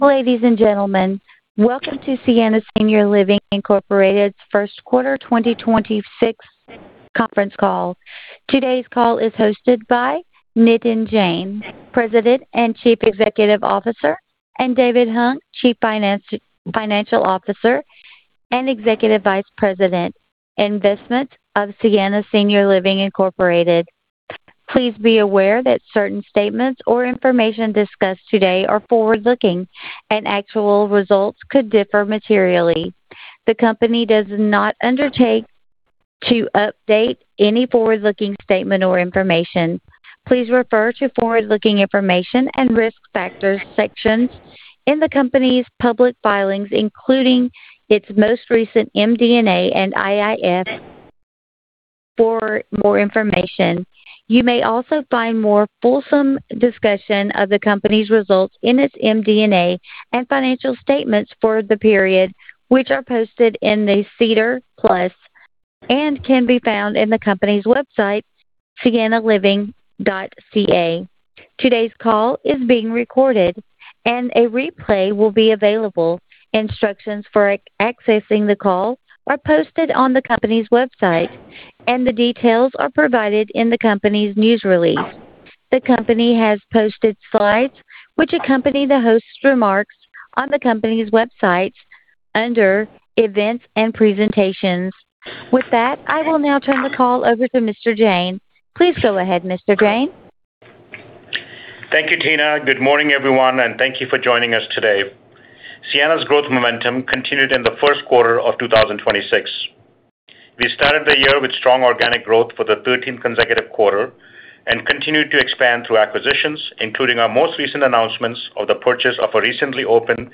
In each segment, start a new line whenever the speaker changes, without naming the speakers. Ladies and gentlemen, welcome to Sienna Senior Living Inc's first quarter 2026 conference call. Today's call is hosted by Nitin Jain, President and Chief Executive Officer, and David Hung, Chief Financial Officer and Executive Vice President, Investments of Sienna Senior Living Inc. Please be aware that certain statements or information discussed today are forward-looking, actual results could differ materially. The company does not undertake to update any forward-looking statement or information. Please refer to forward-looking information and risk factors sections in the company's public filings, including its most recent MD&A and IIF for more information. You may also find more fulsome discussion of the company's results in its MD&A and financial statements for the period, which are posted in the SEDAR+ and can be found in the company's website, siennaliving.ca. Today's call is being recorded and a replay will be available. Instructions for accessing the call are posted on the company's website. The details are provided in the company's news release. The company has posted slides which accompany the host's remarks on the company's website under Events and Presentations. With that, I will now turn the call over to Mr. Jain. Please go ahead, Mr. Jain.
Thank you, Tina. Good morning, everyone, and thank you for joining us today. Sienna's growth momentum continued in the first quarter of 2026. We started the year with strong organic growth for the 13th consecutive quarter and continued to expand through acquisitions, including our most recent announcements of the purchase of a recently opened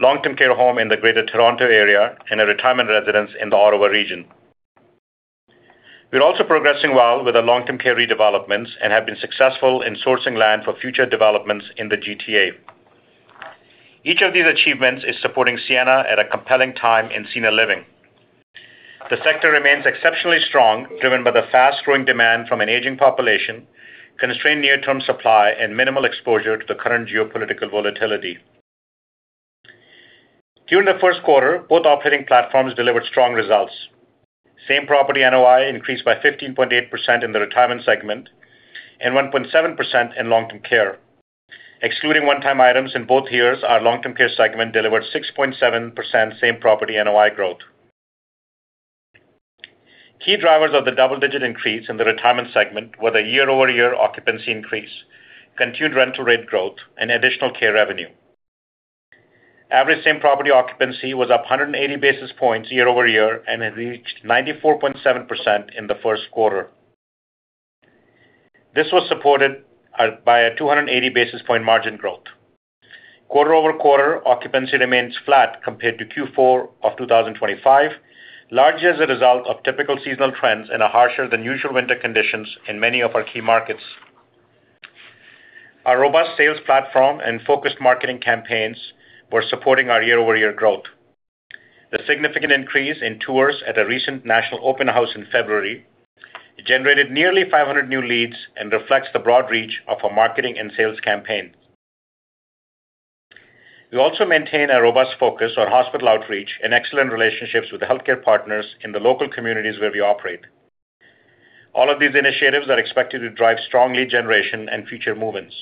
Long-Term Care home in the Greater Toronto Area and a retirement residence in the Ottawa region. We're also progressing well with our Long-Term Care redevelopments and have been successful in sourcing land for future developments in the GTA. Each of these achievements is supporting Sienna at a compelling time in senior living. The sector remains exceptionally strong, driven by the fast-growing demand from an aging population, constrained near-term supply, and minimal exposure to the current geopolitical volatility. During the first quarter, both operating platforms delivered strong results. Same-property NOI increased by 15.8% in the Retirement segment and 1.7% in Long-Term Care. Excluding one-time items in both years, our Long-Term Care segment delivered 6.7% same-property NOI growth. Key drivers of the double-digit increase in the Retirement segment were the year-over-year occupancy increase, continued rental rate growth, and additional care revenue. Average same-property occupancy was up 180 basis points year-over-year and had reached 94.7% in the first quarter. This was supported by a 280 basis point margin growth. Quarter-over-quarter, occupancy remains flat compared to Q4 of 2025, largely as a result of typical seasonal trends and a harsher than usual winter conditions in many of our key markets. Our robust sales platform and focused marketing campaigns were supporting our year-over-year growth. The significant increase in tours at a recent national open house in February generated nearly 500 new leads and reflects the broad reach of our marketing and sales campaign. We also maintain a robust focus on hospital outreach and excellent relationships with the healthcare partners in the local communities where we operate. All of these initiatives are expected to drive strong lead generation and future move-ins.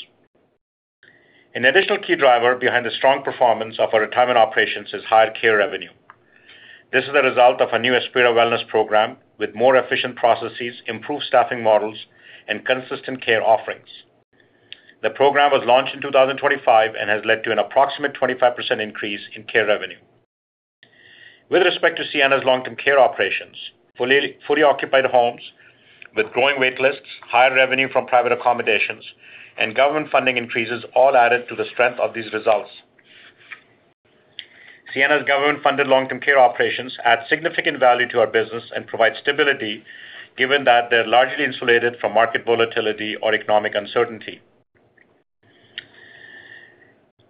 An additional key driver behind the strong performance of our retirement operations is higher care revenue. This is a result of a new Aspira wellness program with more efficient processes, improved staffing models, and consistent care offerings. The program was launched in 2025 and has led to an approximate 25% increase in care revenue. With respect to Sienna's Long-Term Care operations, fully occupied homes with growing waitlists, higher revenue from private accommodations, and government funding increases all added to the strength of these results. Sienna's government-funded Long-Term Care operations add significant value to our business and provide stability, given that they're largely insulated from market volatility or economic uncertainty.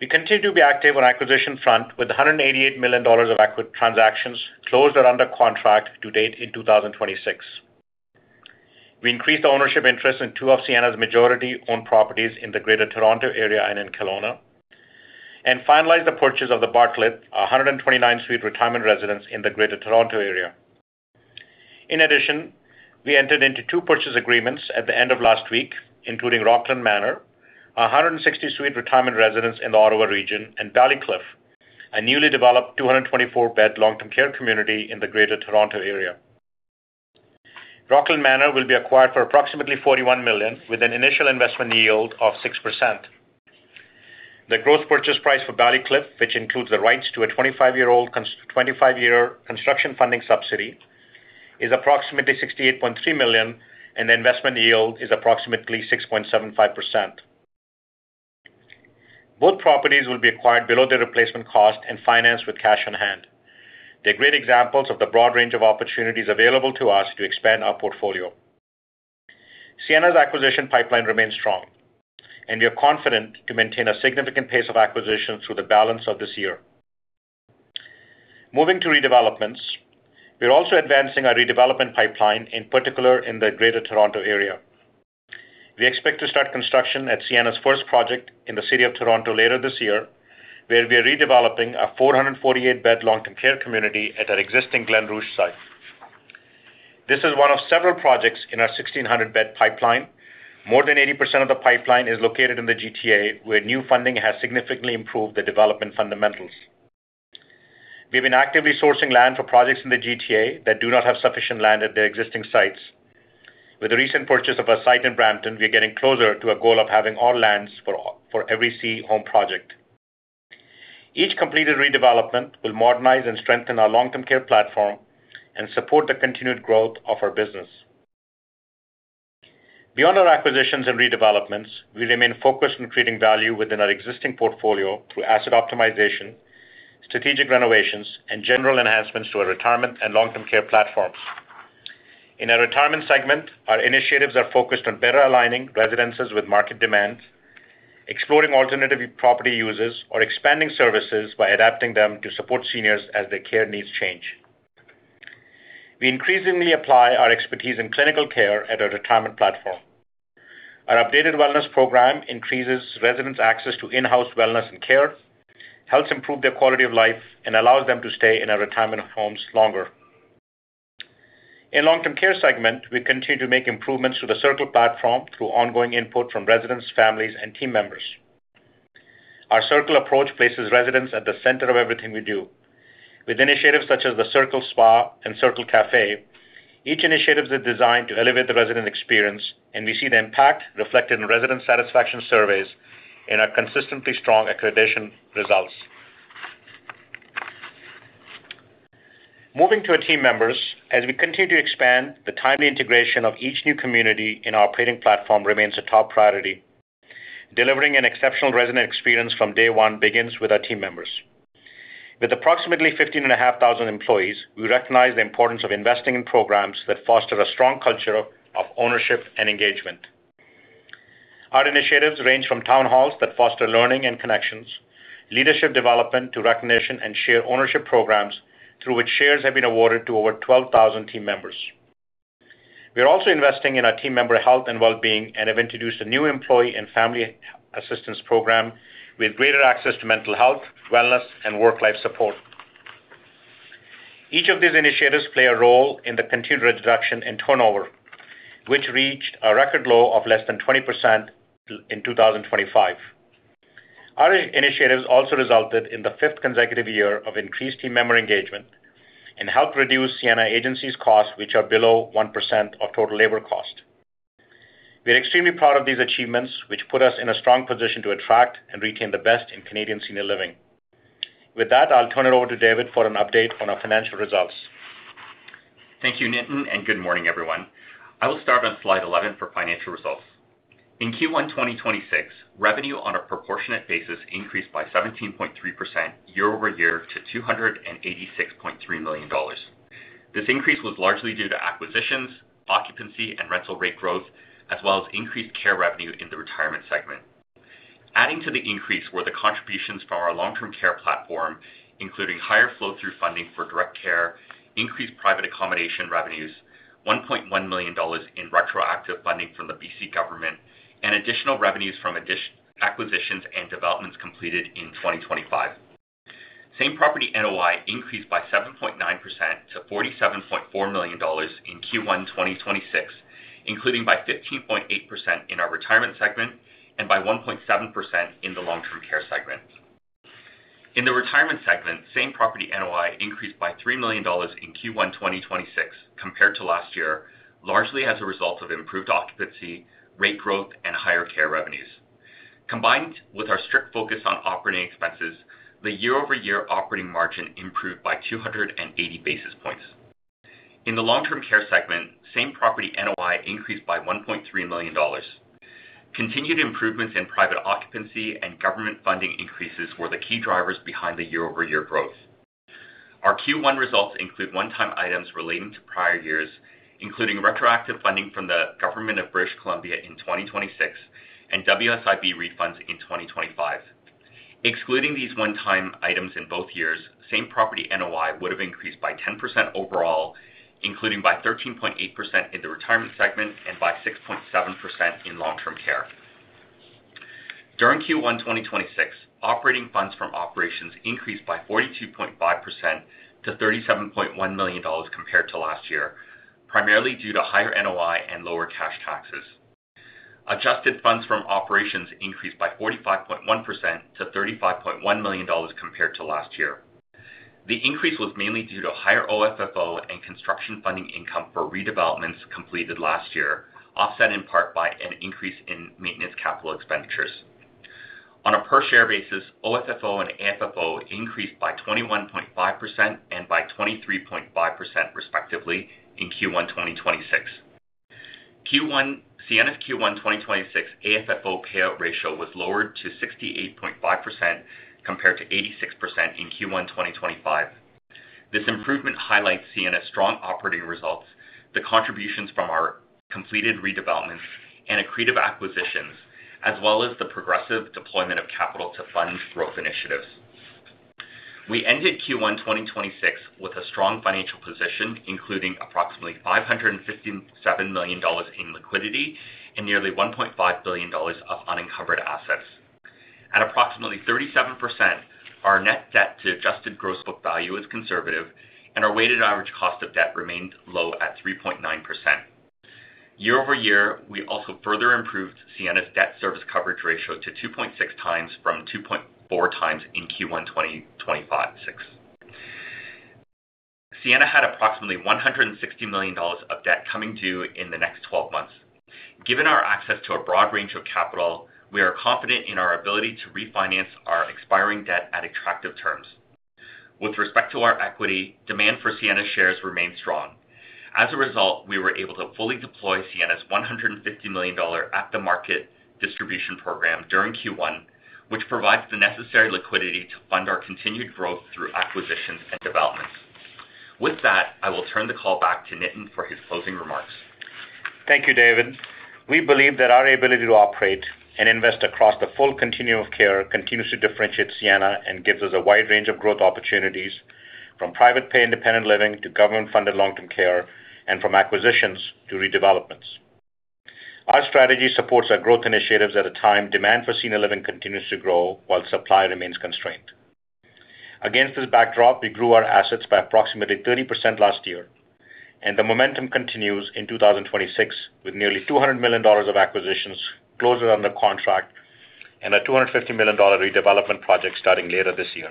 We continue to be active on acquisition front with 188 million dollars of transactions closed or under contract to date in 2026. We increased the ownership interest in two of Sienna's majority-owned properties in the Greater Toronto Area and in Kelowna and finalized the purchase of The Bartlett, a 129-suite retirement residence in the Greater Toronto Area. In addition, we entered into two purchase agreements at the end of last week, including Rockland Manor, a 160-suite retirement residence in the Ottawa region, and Ballycliffe, a newly developed 224-bed Long-Term Care community in the Greater Toronto Area. Rockland Manor will be acquired for approximately CAD 41 million with an initial investment yield of 6%. The gross purchase price for Ballycliffe, which includes the rights to a 25-year construction funding subsidy, is approximately 68.3 million, and the investment yield is approximately 6.75%. Both properties will be acquired below their replacement cost and financed with cash on hand. They're great examples of the broad range of opportunities available to us to expand our portfolio. Sienna's acquisition pipeline remains strong, and we are confident to maintain a significant pace of acquisition through the balance of this year. Moving to redevelopments. We are also advancing our redevelopment pipeline, in particular in the Greater Toronto Area. We expect to start construction at Sienna's first project in the city of Toronto later this year, where we are redeveloping a 448 bed Long-Term Care community at our existing Glenrothes site. This is one of several projects in our 1,600 bed pipeline. More than 80% of the pipeline is located in the GTA, where new funding has significantly improved the development fundamentals. We've been actively sourcing land for projects in the GTA that do not have sufficient land at their existing sites. With the recent purchase of a site in Brampton, we are getting closer to a goal of having all lands for every C home project. Each completed redevelopment will modernize and strengthen our Long-Term Care platform and support the continued growth of our business. Beyond our acquisitions and redevelopments, we remain focused on creating value within our existing portfolio through asset optimization, strategic renovations, and general enhancements to our retirement and Long-Term Care platforms. In our Retirement segment, our initiatives are focused on better aligning residences with market demands, exploring alternative property uses or expanding services by adapting them to support seniors as their care needs change. We increasingly apply our expertise in clinical care at our retirement platform. Our updated wellness program increases residents' access to in-house wellness and care, helps improve their quality of life, and allows them to stay in our Retirement Homes longer. In Long-Term Care segment, we continue to make improvements to the Circle platform through ongoing input from residents, families, and team members. Our Circle approach places residents at the center of everything we do. With initiatives such as the Circle Spa and Circle Cafe, each initiatives are designed to elevate the resident experience. We see the impact reflected in resident satisfaction surveys in our consistently strong accreditation results. Moving to our team members, as we continue to expand, the timely integration of each new community in our operating platform remains a top priority. Delivering an exceptional resident experience from day 1 begins with our team members. With approximately 15,500 employees, we recognize the importance of investing in programs that foster a strong culture of ownership and engagement. Our initiatives range from town halls that foster learning and connections, leadership development to recognition and share ownership programs through which shares have been awarded to over 12,000 team members. We are also investing in our team member health and well-being and have introduced a new employee and family assistance program with greater access to mental health, wellness, and work-life support. Each of these initiatives play a role in the continued reduction in turnover, which reached a record low of less than 20% in 2025. Our initiatives also resulted in the 5th consecutive year of increased team member engagement and helped reduce Sienna agencies costs, which are below 1% of total labor cost. We are extremely proud of these achievements, which put us in a strong position to attract and retain the best in Canadian senior living. With that, I'll turn it over to David for an update on our financial results.
Thank you, Nitin, and good morning, everyone. I will start on slide 11 for financial results. In Q1 2026, revenue on a proportionate basis increased by 17.3% year-over-year to 286.3 million dollars. This increase was largely due to acquisitions, occupancy, and rental rate growth, as well as increased care revenue in the Retirement segment. Adding to the increase were the contributions from our Long-Term Care platform, including higher flow through funding for direct care, increased private accommodation revenues, 1.1 million dollars in retroactive funding from the B.C. government, and additional revenues from acquisitions and developments completed in 2025. Same property NOI increased by 7.9% to 47.4 million dollars in Q1 2026, including by 15.8% in our Retirement segment and by 1.7% in the Long-Term Care segment. In the Retirement segment, same property NOI increased by 3 million dollars in Q1 2026 compared to last year, largely as a result of improved occupancy, rate growth, and higher care revenues. Combined with our strict focus on operating expenses, the year-over-year operating margin improved by 280 basis points. In the Long-Term Care segment, same property NOI increased by 1.3 million dollars. Continued improvements in private occupancy and government funding increases were the key drivers behind the year-over-year growth. Our Q1 results include one-time items relating to prior years, including retroactive funding from the government of British Columbia in 2026 and WSIB refunds in 2025. Excluding these one-time items in both years, same property NOI would have increased by 10% overall, including by 13.8% in the Retirement segment and by 6.7% in Long-Term Care. During Q1 2026, operating funds from operations increased by 42.5% to 37.1 million dollars compared to last year, primarily due to higher NOI and lower cash taxes. Adjusted funds from operations increased by 45.1% to 35.1 million dollars compared to last year. The increase was mainly due to higher OFFO and construction funding income for redevelopments completed last year, offset in part by an increase in maintenance capital expenditures. On a per share basis, OFFO and AFFO increased by 21.5% and by 23.5% respectively in Q1 2026. Sienna's Q1 2026 AFFO payout ratio was lowered to 68.5% compared to 86% in Q1 2025. This improvement highlights Sienna's strong operating results. The contributions from our completed redevelopments and accretive acquisitions, as well as the progressive deployment of capital to fund growth initiatives. We ended Q1 2026 with a strong financial position, including approximately 557 million dollars in liquidity and nearly 1.5 billion dollars of unencumbered assets. At approximately 37%, our net debt to adjusted gross book value is conservative, and our weighted average cost of debt remained low at 3.9%. Year over year, we also further improved Sienna's debt service coverage ratio to 2.6x from 2.4x in Q1 2025/2026. Sienna had approximately 160 million dollars of debt coming due in the next 12 months. Given our access to a broad range of capital, we are confident in our ability to refinance our expiring debt at attractive terms. With respect to our equity, demand for Sienna shares remains strong. As a result, we were able to fully deploy Sienna's 150 million dollar at-the-market distribution program during Q1, which provides the necessary liquidity to fund our continued growth through acquisitions and developments. With that, I will turn the call back to Nitin for his closing remarks.
Thank you, David. We believe that our ability to operate and invest across the full continuum of care continues to differentiate Sienna and gives us a wide range of growth opportunities from private pay independent living to government-funded Long-Term Care and from acquisitions to redevelopments. Our strategy supports our growth initiatives at a time demand for senior living continues to grow while supply remains constrained. Against this backdrop, we grew our assets by approximately 30% last year, and the momentum continues in 2026 with nearly 200 million dollars of acquisitions closer under contract and a 250 million dollar redevelopment project starting later this year.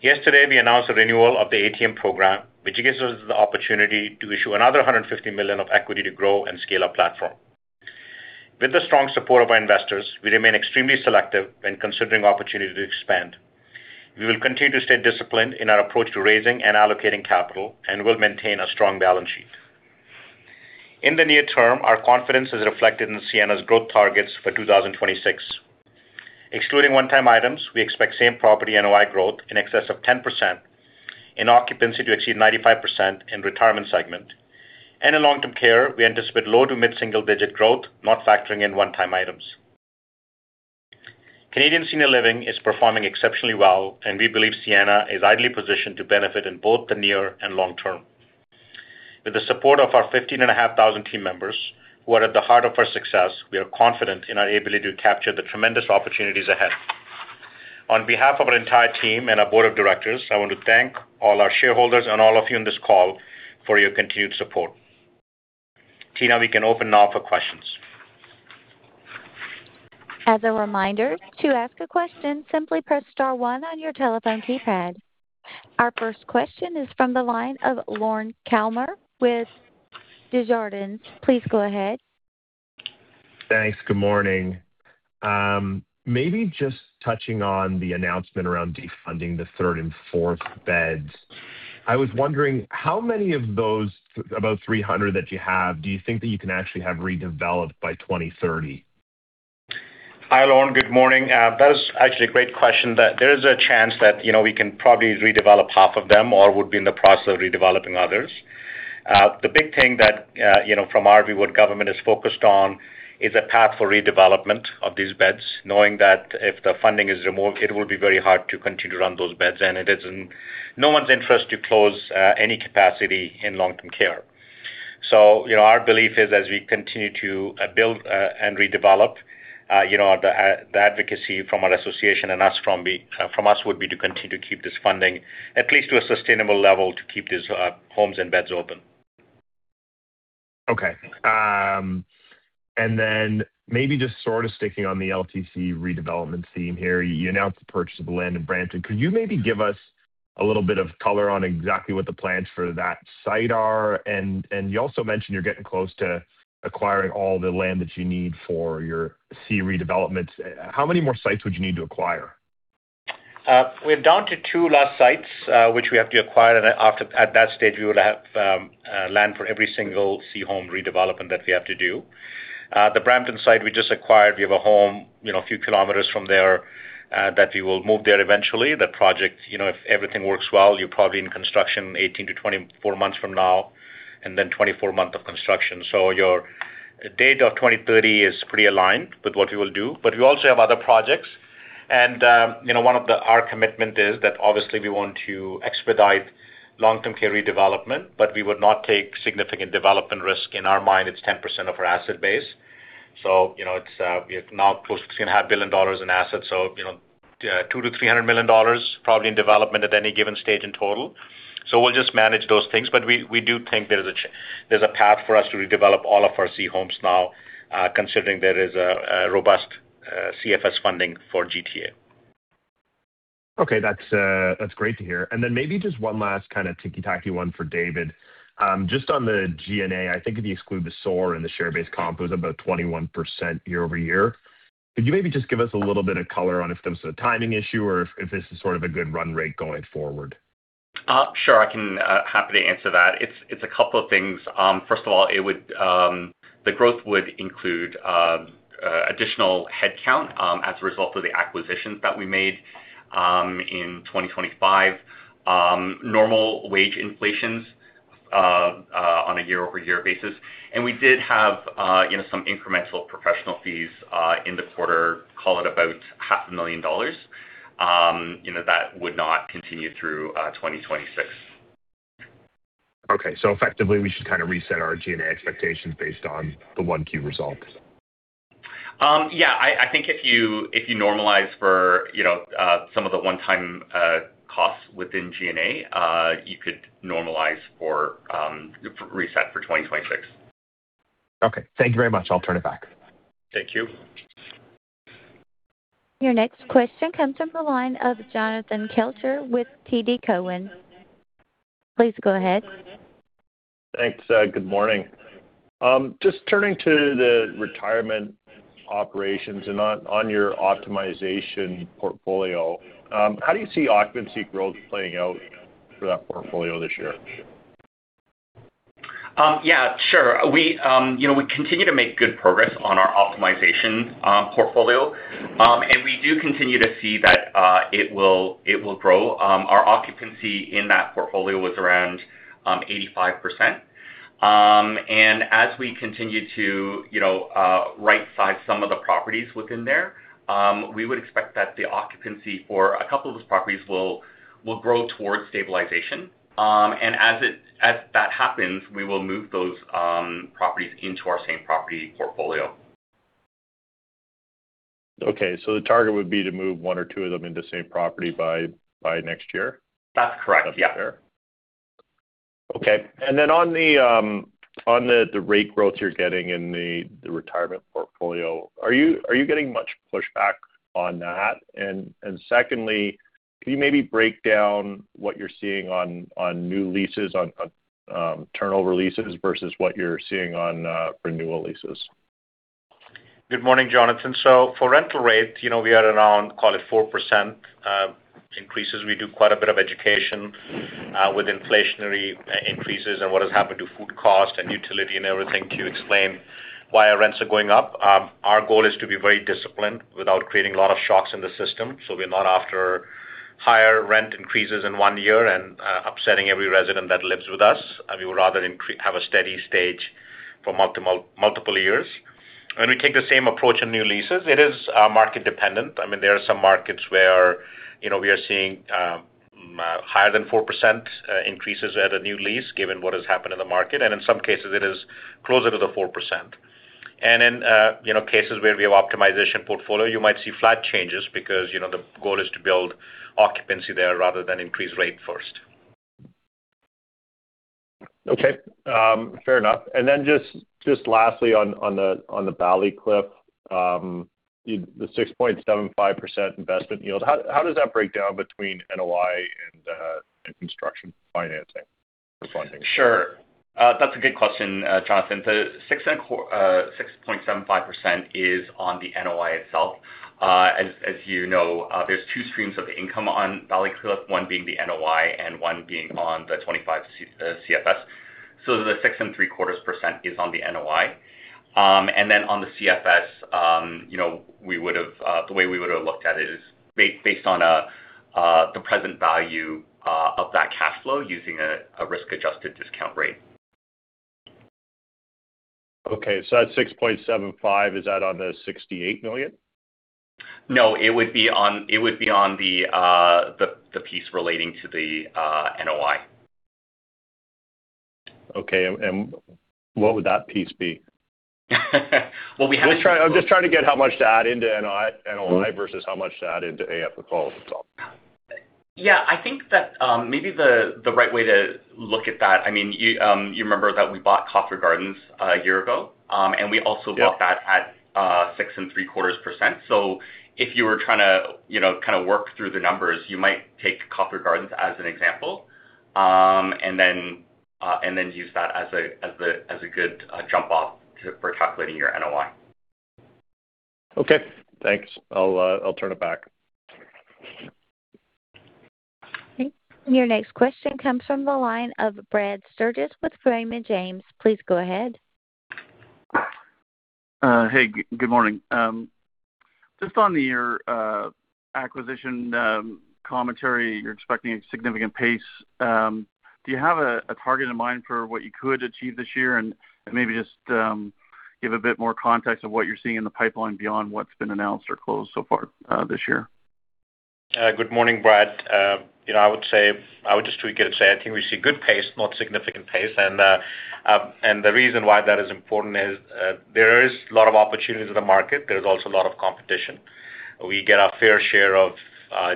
Yesterday, we announced a renewal of the ATM program, which gives us the opportunity to issue another 150 million of equity to grow and scale our platform. With the strong support of our investors, we remain extremely selective when considering opportunity to expand. We will continue to stay disciplined in our approach to raising and allocating capital and will maintain a strong balance sheet. In the near term, our confidence is reflected in Sienna's growth targets for 2026. Excluding one-time items, we expect same-property NOI growth in excess of 10% and occupancy to achieve 95% in Retirement segment. In Long-Term Care, we anticipate low to mid-single digit growth, not factoring in one-time items. Canadian senior living is performing exceptionally well, and we believe Sienna is ideally positioned to benefit in both the near and long term. With the support of our 15 and a half thousand team members, who are at the heart of our success, we are confident in our ability to capture the tremendous opportunities ahead. On behalf of our entire team and our board of directors, I want to thank all our shareholders and all of you on this call for your continued support. Tina, we can open now for questions.
As a reminder, to ask a question, simply press star one on your telephone keypad. Our first question is from the line of Lorne Kalmar with Desjardins. Please go ahead.
Thanks. Good morning. Maybe just touching on the announcement around defunding the third and fourth beds. I was wondering how many of those, about 300 that you have, do you think that you can actually have redeveloped by 2030?
Hi, Lorne. Good morning. That is actually a great question that there is a chance that, you know, we can probably redevelop half of them or would be in the process of redeveloping others. The big thing that, you know, from our view, what government is focused on is a path for redevelopment of these beds, knowing that if the funding is removed, it will be very hard to continue to run those beds, and it is in no one's interest to close any capacity in Long-Term Care. You know, our belief is as we continue to build and redevelop, you know, the advocacy from our association and us from us would be to continue to keep this funding at least to a sustainable level to keep these homes and beds open.
Okay. Then maybe just sort of sticking on the LTC redevelopment theme here. You announced the purchase of the land in Brampton. Could you maybe give us a little bit of color on exactly what the plans for that site are? You also mentioned you're getting close to acquiring all the land that you need for your C redevelopments. How many more sites would you need to acquire?
We're down to two last sites which we have to acquire. After, at that stage, we would have land for every single C home redevelopment that we have to do. The Brampton site we just acquired, we have a home, you know, a few kilometers from there, that we will move there eventually. The project, you know, if everything works well, you're probably in construction 18-24 months from now and then 24 months of construction. Your date of 2030 is pretty aligned with what we will do. We also have other projects and, you know, our commitment is that obviously we want to expedite Long-Term Care redevelopment, but we would not take significant development risk. In our mind, it's 10% of our asset base. You know, it's now close to 2.5 billion dollars in assets. You know, 200 million-300 million dollars probably in development at any given stage in total. We'll just manage those things. We do think there's a path for us to redevelop all of our C homes now, considering there is a robust CFS funding for GTA.
Okay. That's great to hear. Maybe just one last kind of ticky-tacky one for David. Just on the G&A, I think if you exclude the SOAR and the share-based comp, it was about 21% year-over-year. Could you maybe just give us a little bit of color on if this was a timing issue or if this is sort of a good run rate going forward?
Sure. I can happily answer that. It's a couple of things. First of all, the growth would include additional headcount as a result of the acquisitions that we made. In 2025, normal wage inflations on a year-over-year basis. We did have, you know, some incremental professional fees in the quarter, call it about 500,000 dollars, you know, that would not continue through 2026.
Okay. Effectively, we should kind of reset our G&A expectations based on the 1 Q results.
I think if you normalize for, you know, some of the one-time costs within G&A, you could normalize for, reset for 2026.
Okay. Thank you very much. I'll turn it back.
Thank you.
Your next question comes from the line of Jonathan Kelcher with TD Cowen. Please go ahead.
Thanks. Good morning. Just turning to the retirement operations and on your optimization portfolio, how do you see occupancy growth playing out for that portfolio this year?
Yeah, sure. We, you know, we continue to make good progress on our optimization portfolio. We do continue to see that it will grow. Our occupancy in that portfolio was around 85%. As we continue to, you know, right-size some of the properties within there, we would expect that the occupancy for a couple of those properties will grow towards stabilization. As that happens, we will move those properties into our same property portfolio.
Okay. The target would be to move one or two of them into same property by next year?
That's correct. Yeah.
That's fair. Okay. On the rate growth you're getting in the retirement portfolio, are you getting much pushback on that? Secondly, can you maybe break down what you're seeing on new leases on turnover leases versus what you're seeing on renewal leases?
Good morning, Jonathan. For rental rates, you know, we are around, call it 4% increases. We do quite a bit of education with inflationary increases and what has happened to food cost and utility and everything to explain why our rents are going up. Our goal is to be very disciplined without creating a lot of shocks in the system, so we're not after higher rent increases in 1 year and upsetting every resident that lives with us. We would rather have a steady stage for multiple years. We take the same approach on new leases. It is market dependent. I mean, there are some markets where, you know, we are seeing higher than 4% increases at a new lease given what has happened in the market. In some cases it is closer to the 4%. In, you know, cases where we have optimization portfolio, you might see flat changes because, you know, the goal is to build occupancy there rather than increase rate first.
Okay. Fair enough. Just lastly on the Ballycliffe, the 6.75% investment yield, how does that break down between NOI and construction financing for funding?
Sure. That's a good question, Jonathan. The 6.75% is on the NOI itself. As, as you know, there's two streams of income on Ballycliffe, one being the NOI and one being on the 25 CFS. The 6.75% is on the NOI. On the CFS, you know, we would've, the way we would've looked at it is based on the present value of that cash flow using a risk-adjusted discount rate.
Okay. That 6.75%, is that on the 68 million?
No, it would be on the piece relating to the NOI.
Okay. What would that piece be?
Well, we have-
I'm just trying to get how much to add into NOI versus how much to add into AUP itself.
Yeah. I think that, I mean, you remember that we bought Cawthra Gardens a year ago.
Yeah
bought that at 6.75%. If you were trying to, you know, kind of work through the numbers, you might take Copper Gardens as an example, and then use that as a, as the, as a good, jump-off for calculating your NOI.
Okay. Thanks. I'll turn it back.
Your next question comes from the line of Brad Sturges with Raymond James. Please go ahead.
Hey, good morning. Just on your acquisition commentary, you're expecting a significant pace. Do you have a target in mind for what you could achieve this year? Maybe just give a bit more context of what you're seeing in the pipeline beyond what's been announced or closed so far this year.
Good morning, Brad. you know, I would just tweak it and say I think we see good pace, not significant pace. The reason why that is important is, there is a lot of opportunities in the market. There is also a lot of competition. We get our fair share of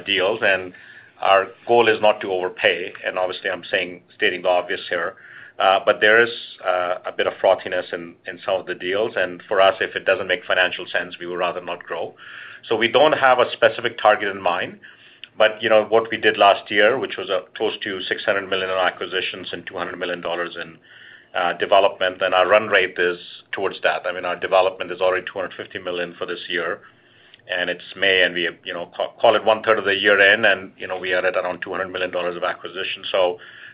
deals, and our goal is not to overpay. Obviously, I'm saying, stating the obvious here. But there is a bit of frothiness in some of the deals. For us, if it doesn't make financial sense, we would rather not grow. We don't have a specific target in mind. you know, what we did last year, which was close to 600 million in acquisitions and 200 million dollars in development, and our run rate is towards that. I mean, our development is already 250 million for this year, and it's May, and we, you know, call it one-third of the year in and, you know, we are at around 200 million dollars of acquisition.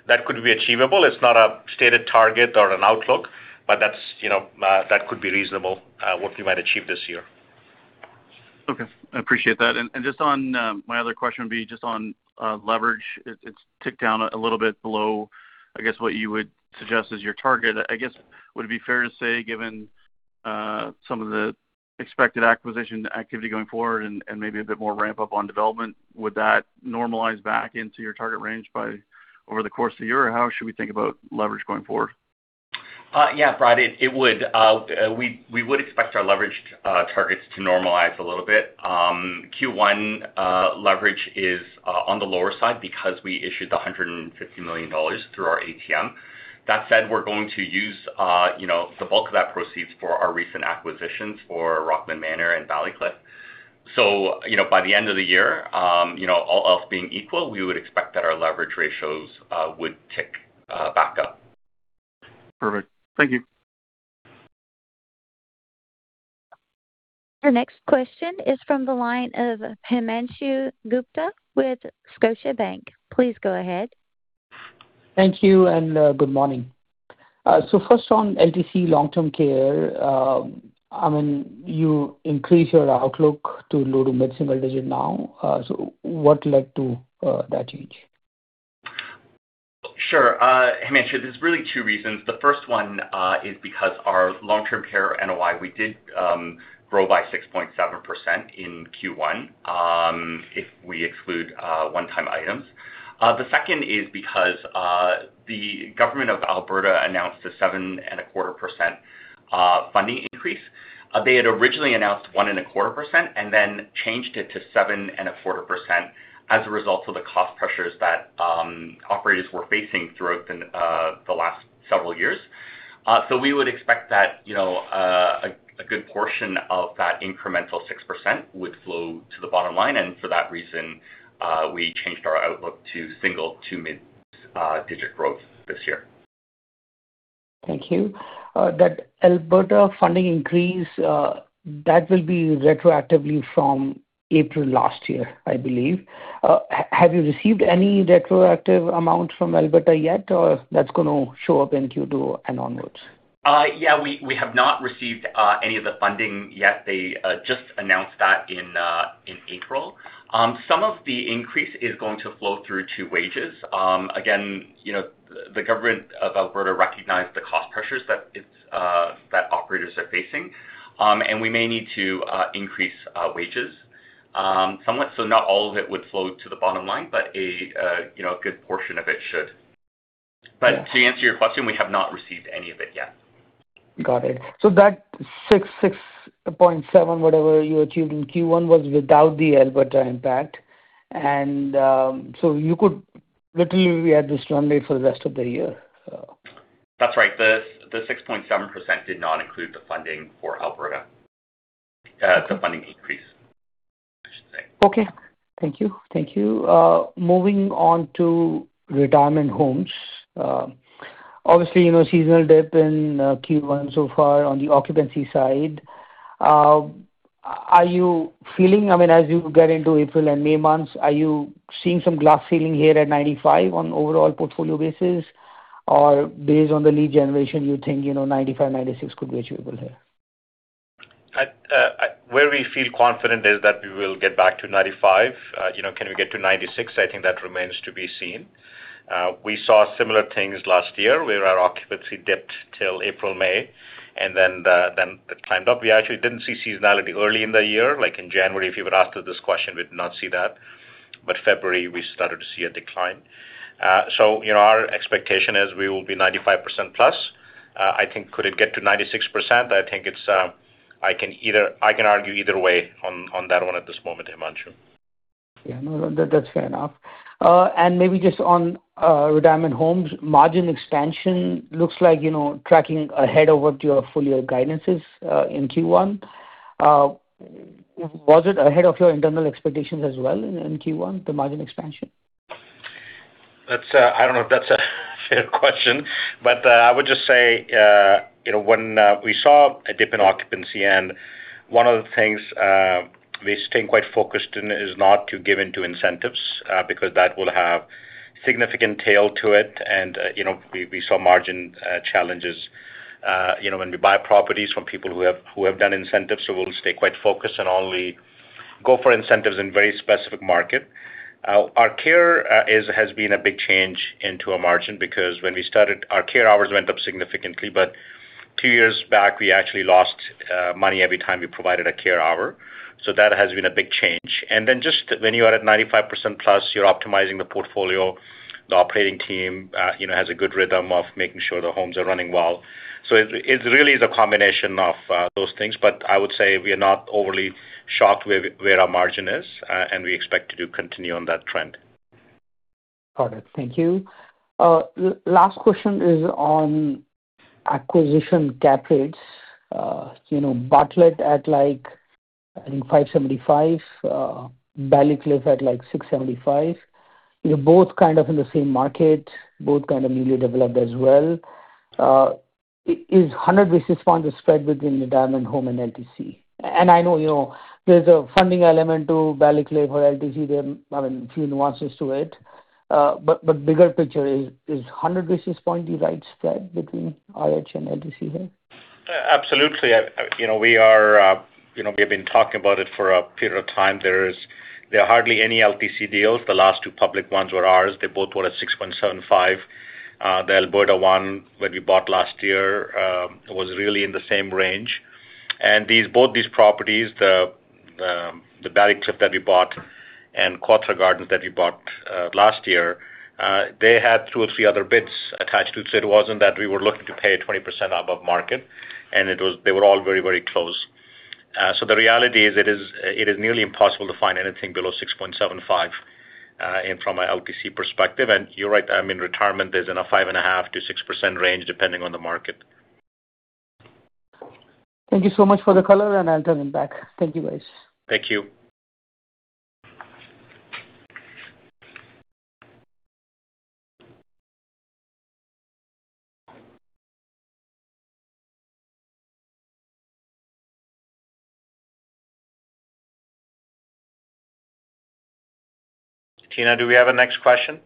That could be achievable. It's not a stated target or an outlook, but that's, you know, that could be reasonable what we might achieve this year.
Okay, I appreciate that. Just on my other question would be just on leverage. It's ticked down a little bit below, I guess, what you would suggest is your target. I guess, would it be fair to say, given some of the expected acquisition activity going forward and maybe a bit more ramp-up on development, would that normalize back into your target range by over the course of the year? How should we think about leverage going forward?
Yeah, Brad, it would. We would expect our leverage targets to normalize a little bit. Q1 leverage is on the lower side because we issued the 150 million dollars through our ATM. That said, we're going to use, you know, the bulk of that proceeds for our recent acquisitions for Rockland Manor and Ballycliffe. You know, by the end of the year, you know, all else being equal, we would expect that our leverage ratios would tick back up.
Perfect. Thank you.
Our next question is from the line of Himanshu Gupta with Scotiabank. Please go ahead.
Thank you. Good morning. First on LTC, Long-Term Care, I mean, you increased your outlook to low to mid-single digit now. What led to that change?
Sure. Himanshu, there's really two reasons. The first one is because our Long-Term Care NOI, we did grow by 6.7% in Q1, if we exclude one-time items. The second is because the government of Alberta announced a 7.25% funding increase. They had originally announced 1.25%, and then changed it to 7.25% as a result of the cost pressures that operators were facing throughout the last several years. We would expect that, you know, a good portion of that incremental 6% would flow to the bottom line. For that reason, we changed our outlook to single to mid-digit growth this year.
Thank you. That Alberta funding increase, that will be retroactively from April last year, I believe. Have you received any retroactive amount from Alberta yet, or that's gonna show up in Q2 and onwards?
Yeah, we have not received any of the funding yet. They just announced that in April. Some of the increase is going to flow through to wages. Again, you know, the government of Alberta recognized the cost pressures that operators are facing. We may need to increase wages somewhat, so not all of it would flow to the bottom line, but, you know, a good portion of it should.
Yeah.
To answer your question, we have not received any of it yet.
Got it. That 6.7% whatever you achieved in Q1 was without the Alberta impact. You could literally re-add this runway for the rest of the year.
That's right. The 6.7% did not include the funding for Alberta. The funding increase, I should say.
Okay. Thank you. Thank you. Moving on to Retirement Homes. Obviously, you know, seasonal dip in Q1 so far on the occupancy side. Are you feeling I mean, as you get into April and May months, are you seeing some glass ceiling here at 95% on overall portfolio basis? Or based on the lead generation, you think, you know, 95%, 96% could be achievable here?
Where we feel confident is that we will get back to 95%. You know, can we get to 96%? I think that remains to be seen. We saw similar things last year, where our occupancy dipped till April/May and then it climbed up. We actually didn't see seasonality early in the year. Like in January, if you would ask us this question, we'd not see that. February, we started to see a decline. So, you know, our expectation is we will be 95%+. I think could it get to 96%? I think it's, I can argue either way on that one at this moment, Himanshu.
Yeah, no, that's fair enough. Maybe just on Retirement Homes. Margin expansion looks like, you know, tracking ahead of what your full year guidance is in Q1. Was it ahead of your internal expectations as well in Q1, the margin expansion?
That's, I don't know if that's a fair question. I would just say, you know, when we saw a dip in occupancy and one of the things we stay quite focused in is not to give into incentives, because that will have significant tail to it. You know, we saw margin challenges, you know, when we buy properties from people who have done incentives. We'll stay quite focused and only go for incentives in very specific market. Our care has been a big change into our margin because when we started, our care hours went up significantly, but two years back, we actually lost money every time we provided a care hour. That has been a big change. Then just when you are at 95%+, you're optimizing the portfolio. The operating team, you know, has a good rhythm of making sure the homes are running well. It really is a combination of those things, but I would say we are not overly shocked where our margin is, and we expect to continue on that trend.
Got it. Thank you. Last question is on acquisition cap rates. You know, Bartlett at, like, I think 5.75%, Ballycliffe at, like, 6.75%. They're both kind of in the same market, both kind of newly developed as well. Is 100 basis points the spread between Retirement Home and LTC? I know, you know, there's a funding element to Ballycliffe or LTC. There are, I mean, a few nuances to it. But bigger picture is 100 basis point the right spread between RH and LTC here?
Absolutely. I, you know, we are, you know, we have been talking about it for a period of time. There are hardly any LTC deals. The last two public ones were ours. They both were at 6.75%. The Alberta one that we bought last year was really in the same range. Both these properties, the Ballycliffe that we bought and Cawthra Gardens that we bought last year, they had two or three other bids attached to it, so it wasn't that we were looking to pay 20% above market, they were all very, very close. The reality is it is nearly impossible to find anything below 6.75% from a LTC perspective. You're right, I mean, retirement is in a 5.5%-6% range depending on the market.
Thank you so much for the color, and I'll turn it back. Thank you, guys.
Thank you.
Tina, do we have a next question?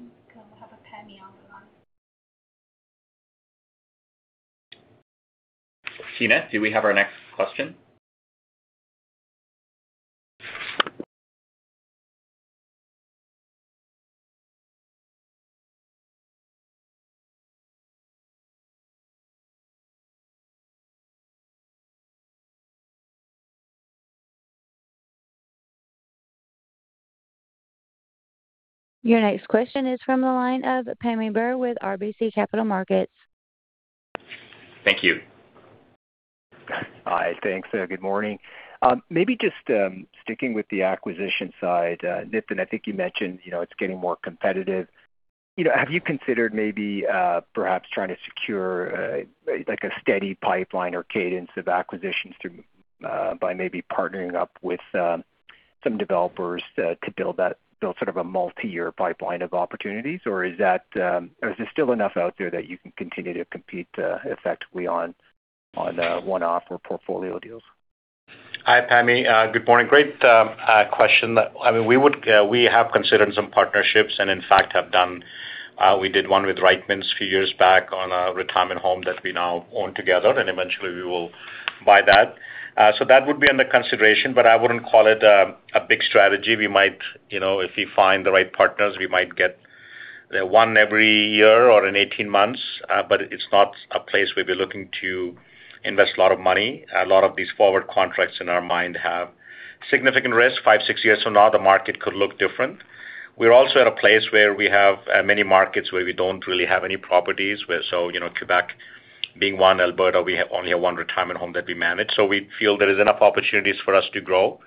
We still have a Pammi on the line.
Tina, do we have our next question?
Your next question is from the line of Pammi Bir with RBC Capital Markets.
Thank you. Hi. Thanks. Good morning. maybe just sticking with the acquisition side, Nitin, I think you mentioned, you know, it's getting more competitive. You know, have you considered maybe perhaps trying to secure like a steady pipeline or cadence of acquisitions through by maybe partnering up with some developers to build sort of a multi-year pipeline of opportunities? Or is there still enough out there that you can continue to compete effectively on one-off or portfolio deals?
Hi, Pammi. Good morning. Great question. I mean, we have considered some partnerships and in fact have done. We did one with Reitmans a few years back on a Retirement Home that we now own together, and eventually we will buy that. That would be under consideration, but I wouldn't call it a big strategy. We might, you know, if we find the right partners, we might get one every year or in 18 months. It's not a place we'd be looking to invest a lot of money. A lot of these forward contracts in our mind have significant risk. 5, 6 years from now, the market could look different. We're also at a place where we have many markets where we don't really have any properties. You know, Quebec being one. Alberta, we have only one retirement home that we manage. We feel there is enough opportunities for us to grow.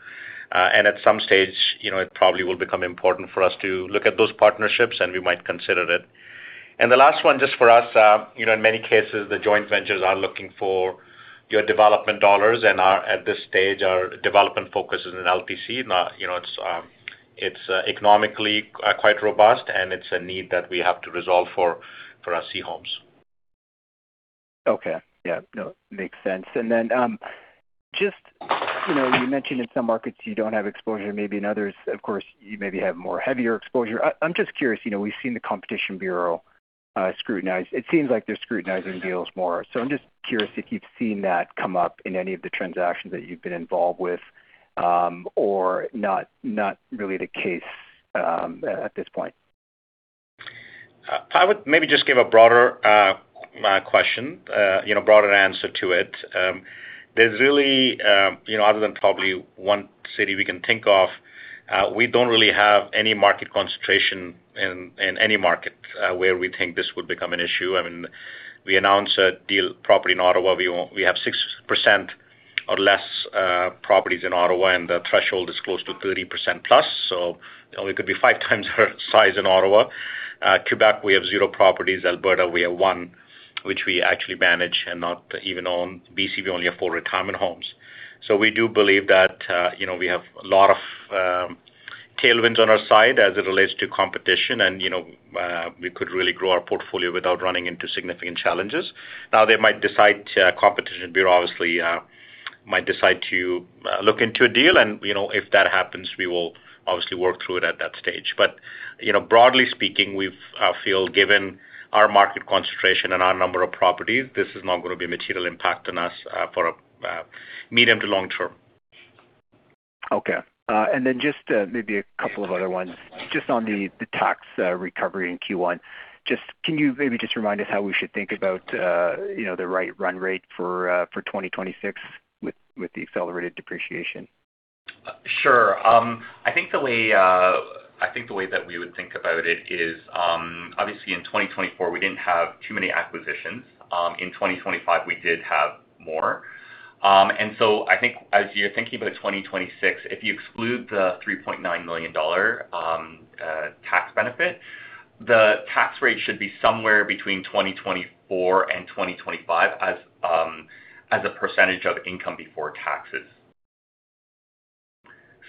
At some stage, you know, it probably will become important for us to look at those partnerships, and we might consider it. The last one just for us, you know, in many cases, the joint ventures are looking for your development dollars and are at this stage, our development focus is in LTC. Now, you know, it's economically quite robust, and it's a need that we have to resolve for our C homes.
Okay. Yeah. No, makes sense. Just, you know, you mentioned in some markets you don't have exposure, maybe in others, of course, you maybe have more heavier exposure. I'm just curious, you know, we've seen the Competition Bureau scrutinize. It seems like they're scrutinizing deals more. I'm just curious if you've seen that come up in any of the transactions that you've been involved with, or not really the case at this point.
I would maybe just give a broader question, you know, broader answer to it. There's really, you know, other than probably one city we can think of, we don't really have any market concentration in any market where we think this would become an issue. I mean, we announced a deal, property in Ottawa. We have 6% or less properties in Ottawa, and the threshold is close to 30%+, so we could be 5x our size in Ottawa. Quebec, we have zero properties. Alberta, we have one, which we actually manage and not even own. B.C., we only have four retirement homes. We do believe that, you know, we have a lot of tailwinds on our side as it relates to competition. You know, we could really grow our portfolio without running into significant challenges. Now, they might decide, Competition Bureau obviously, might decide to look into a deal and, you know, if that happens, we will obviously work through it at that stage. You know, broadly speaking, we've feel given our market concentration and our number of properties, this is not gonna be a material impact on us for medium to long term.
Okay. Then just maybe a couple of other ones. Just on the tax recovery in Q1. Can you maybe just remind us how we should think about, you know, the right run rate for for 2026 with the accelerated depreciation?
Sure. I think the way that we would think about it is, obviously in 2024, we didn't have too many acquisitions. In 2025, we did have more. I think as you're thinking about 2026, if you exclude the 3.9 million dollar tax benefit, the tax rate should be somewhere between 2024 and 2025 as a percentage of income before taxes.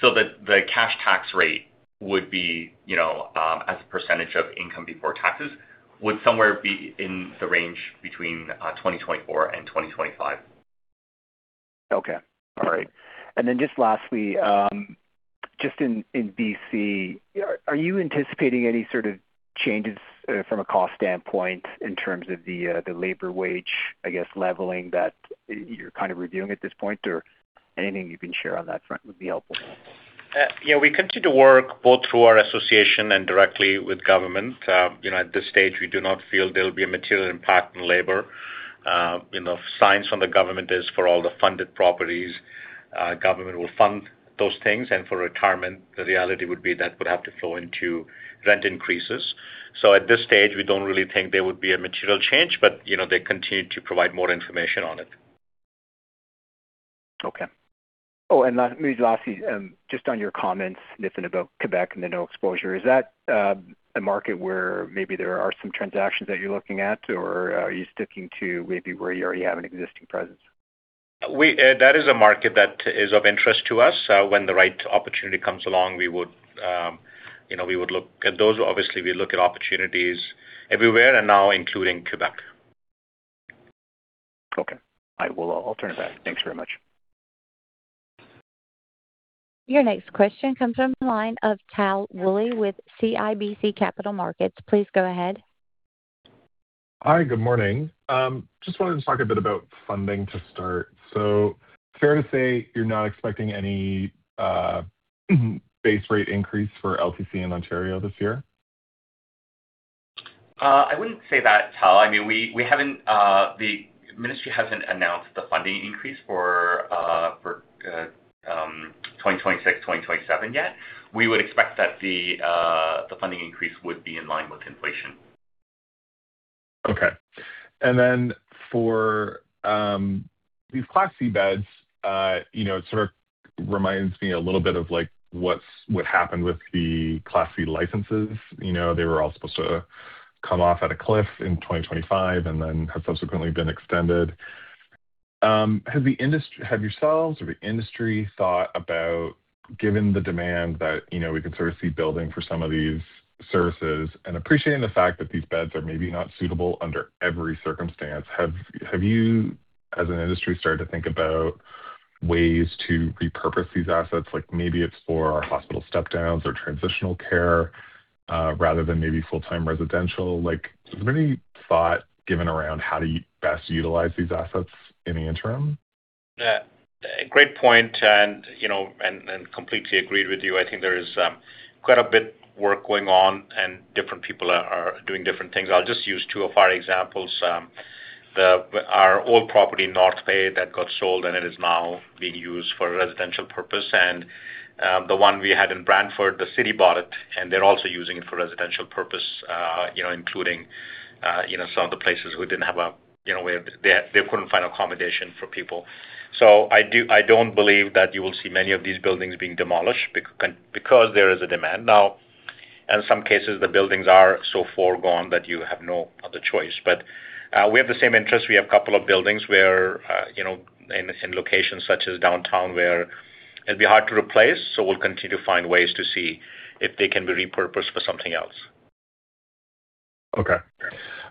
The cash tax rate would be, you know, as a percentage of income before taxes would somewhere be in the range between 2024 and 2025.
Okay. All right. Then just lastly, just in B.C., are you anticipating any sort of changes, from a cost standpoint in terms of the labor wage, I guess, leveling that you're kind of reviewing at this point? Anything you can share on that front would be helpful.
Yeah, we continue to work both through our association and directly with government. You know, at this stage, we do not feel there'll be a material impact on labor. You know, signs from the government is for all the funded properties. Government will fund those things, and for retirement, the reality would be that would have to flow into rent increases. At this stage, we don't really think there would be a material change, but, you know, they continue to provide more information on it.
Okay. Oh, maybe lastly, just on your comments, Nitin, about Quebec and the no exposure. Is that a market where maybe there are some transactions that you're looking at, or are you sticking to maybe where you already have an existing presence?
We that is a market that is of interest to us. When the right opportunity comes along, we would, you know, we would look at those. Obviously, we look at opportunities everywhere and now including Quebec.
Okay. I'll turn it back. Thanks very much.
Your next question comes from the line of Tal Woolley with CIBC Capital Markets. Please go ahead.
Hi, good morning. Just wanted to talk a bit about funding to start. Fair to say you're not expecting any base rate increase for LTC in Ontario this year?
I wouldn't say that, Tal. I mean, we haven't, the ministry hasn't announced the funding increase for 2026/2027 yet. We would expect that the funding increase would be in line with inflation.
Okay. For these Class C beds, you know, it sort of reminds me a little bit of like what happened with the Class C licenses. You know, they were all supposed to come off at a cliff in 2025 and have subsequently been extended. Have yourselves or the industry thought about, given the demand that, you know, we can sort of see building for some of these services and appreciating the fact that these beds are maybe not suitable under every circumstance, have you as an industry started to think about ways to repurpose these assets? Like maybe it's for hospital step downs or transitional care, rather than maybe full-time residential. Like has there been any thought given around how to best utilize these assets in the interim?
Great point and, you know, and completely agreed with you. I think there is quite a bit work going on, and different people are doing different things. I'll just use two of our examples. Our old property, North Bay, that got sold, and it is now being used for residential purpose. The one we had in Brantford, the City bought it, and they're also using it for residential purpose, you know, including, you know, some of the places we didn't have, you know, where they couldn't find accommodation for people. I don't believe that you will see many of these buildings being demolished because there is a demand. In some cases, the buildings are so foregone that you have no other choice. We have the same interest. We have a couple of buildings where, you know, in locations such as downtown, where it'd be hard to replace. We'll continue to find ways to see if they can be repurposed for something else.
Okay.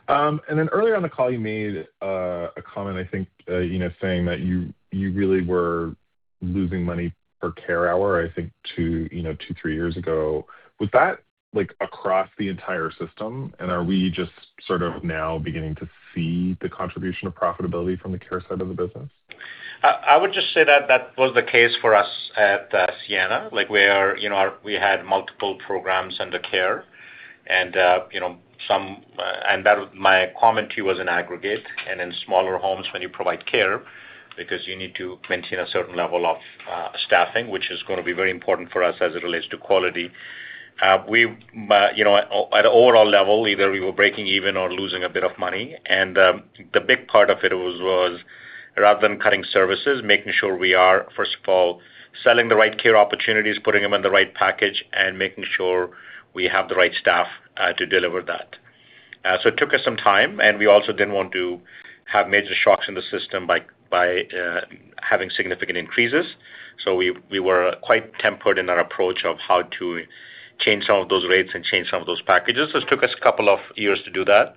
Earlier on the call, you made a comment, I think, saying that you really were losing money per care hour, I think 2, 3 years ago. Was that like across the entire system? Are we just sort of now beginning to see the contribution of profitability from the care side of the business?
I would just say that that was the case for us at Sienna. Like we are, you know, we had multiple programs under care and, you know, some, and that my comment to you was in aggregate and in smaller homes when you provide care because you need to maintain a certain level of staffing, which is gonna be very important for us as it relates to quality. We, you know, at overall level, either we were breaking even or losing a bit of money. The big part of it was rather than cutting services, making sure we are, first of all, selling the right care opportunities, putting them in the right package, and making sure we have the right staff to deliver that. It took us some time, we also didn't want to have major shocks in the system by having significant increases. We were quite tempered in our approach of how to change some of those rates and change some of those packages. This took us 2 years to do that.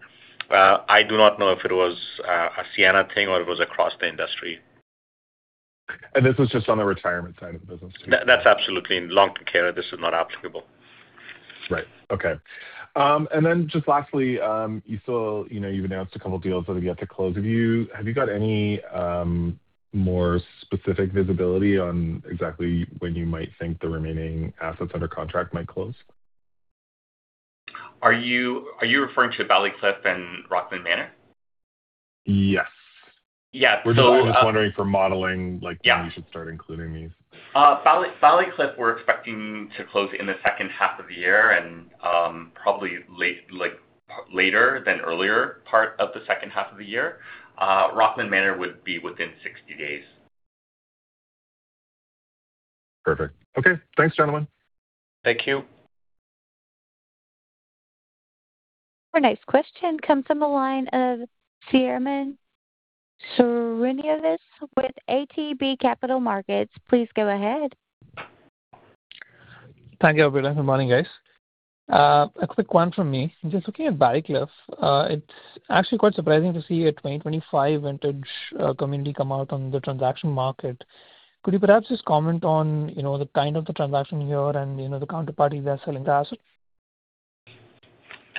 I do not know if it was a Sienna thing or it was across the industry.
This is just on the retirement side of the business?
That's absolutely. In Long-Term Care, this is not applicable.
Right. Okay. Then just lastly, you saw, you know, you've announced a couple deals that have yet to close. Have you got any more specific visibility on exactly when you might think the remaining assets under contract might close?
Are you referring to Ballycliffe and Rockland Manor?
Yes.
Yeah.
We're just wondering for modeling, like when you should start including these.
Ballycliffe, we're expecting to close in the second half of the year and, probably late, like later than earlier part of the second half of the year. Rockland Manor would be within 60 days.
Perfect. Okay. Thanks, gentlemen.
Thank you.
Our next question comes from the line of Sairam Srinivas with ATB Capital Markets. Please go ahead.
Thank you, Pamela. Good morning, guys. A quick one from me. Just looking at Ballycliffe, it's actually quite surprising to see a 2025 vintage, community come out on the transaction market. Could you perhaps just comment on, you know, the kind of the transaction here and, you know, the counterparty they're selling the asset?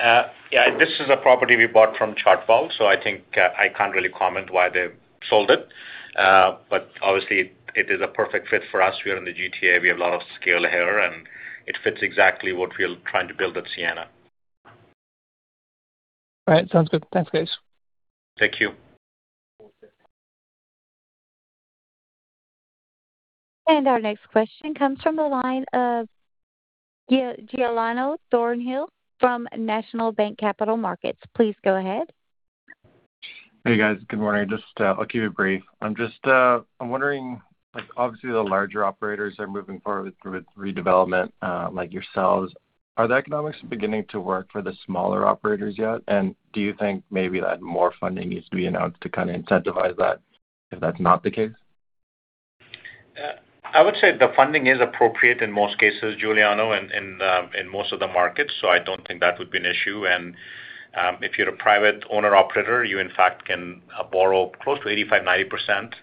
Yeah. This is a property we bought from Chartwell, so I think, I can't really comment why they've sold it. But obviously it is a perfect fit for us. We are in the GTA. We have a lot of scale here, and it fits exactly what we're trying to build at Sienna.
All right. Sounds good. Thanks, guys.
Thank you.
Our next question comes from the line of Giuliano Thornhill from National Bank Capital Markets. Please go ahead.
Hey, guys. Good morning. Just, I'll keep it brief. I'm just, I'm wondering, like, obviously the larger operators are moving forward with redevelopment, like yourselves. Are the economics beginning to work for the smaller operators yet? Do you think maybe that more funding needs to be announced to kind of incentivize that if that's not the case?
I would say the funding is appropriate in most cases, Giuliano, in most of the markets. I don't think that would be an issue. If you're a private owner operator, you in fact can borrow close to 85%, 90%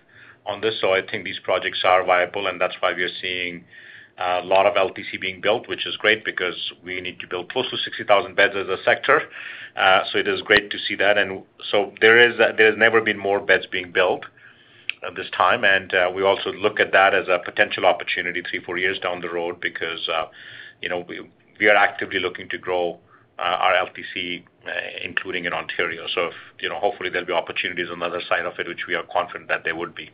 on this. I think these projects are viable, and that's why we are seeing a lot of LTC being built, which is great because we need to build close to 60,000 beds as a sector. It is great to see that. There's never been more beds being built at this time. We also look at that as a potential opportunity 3, 4 years down the road because, you know, we are actively looking to grow our LTC, including in Ontario. If, you know, hopefully there'll be opportunities on the other side of it, which we are confident that there would be.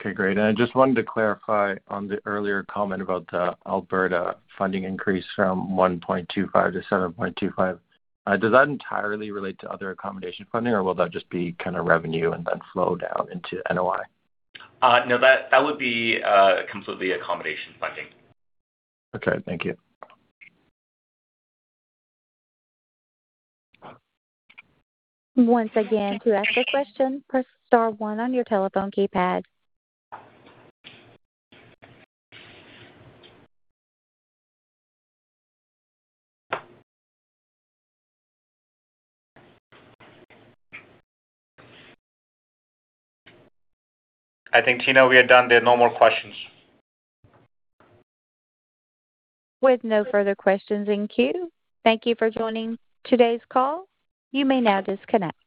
Okay. Great. I just wanted to clarify on the earlier comment about the Alberta funding increase from 1.25%-7.25%. Does that entirely relate to other accommodation funding, or will that just be kind of revenue and then flow down into NOI?
No, that would be completely accommodation funding.
Okay. Thank you.
Once again, to ask a question, press star one on your telephone keypad.
I think, Tina, we are done. There are no more questions.
With no further questions in queue, thank you for joining today's call. You may now disconnect.